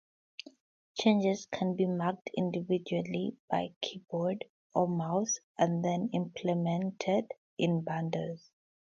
Changes can be marked individually by keyboard or mouse and then implemented in bundles.